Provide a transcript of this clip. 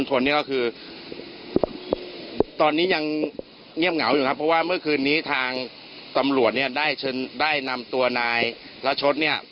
เพราะว่าเมื่อคืนนี้ทางตำรวจได้นำตัวนายราชด